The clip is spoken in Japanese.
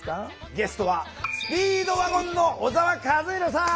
ゲストはスピードワゴンの小沢一敬さん。